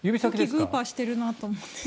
グーパーしているなと思って。